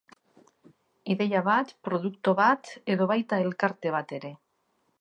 Ideia bat, produktu bat edo baita elkarte bat ere.